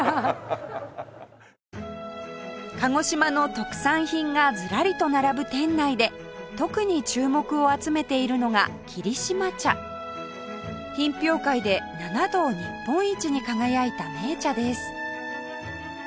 鹿児島の特産品がずらりと並ぶ店内で特に注目を集めているのが霧島茶品評会で７度日本一に輝いた銘茶です